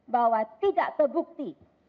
bahwa tidak terbukti